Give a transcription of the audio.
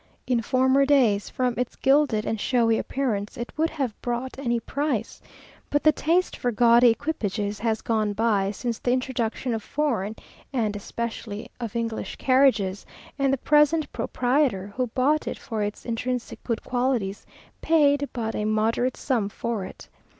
In former days, from its gilded and showy appearance, it would have brought any price; but the taste for gaudy equipages has gone by since the introduction of foreign, and especially of English carriages; and the present proprietor, who bought it for its intrinsic good qualities, paid but a moderate sum for it.